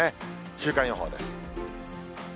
週間予報です。